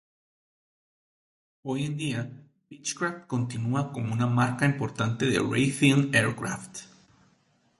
Hoy en día, Beechcraft continúa como una marca importante de Raytheon Aircraft.